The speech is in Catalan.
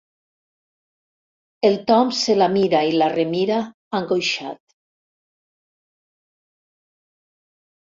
El Tom se la mira i la remira, angoixat.